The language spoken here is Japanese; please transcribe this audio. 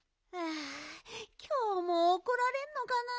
あきょうもおこられんのかな？